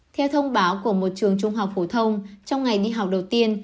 theo thông báo của một trường trung học phổ thông trong ngày đi học đầu tiên